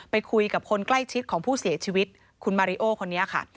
ไปคุยกับคนใกล้ชิดของผู้เสียชีวิตคุณมาริโอคนนี้ค่ะ